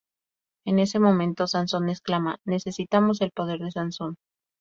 En ese momento Sansón exclama: "¡Necesitamos el poder de Sansón!